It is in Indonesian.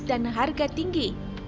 dan harga tinggi